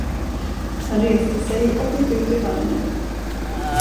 Han reste sig och gick ut ur vagnen.